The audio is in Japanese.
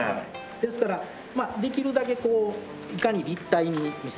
ですからまあできるだけこういかに立体に見せるかという。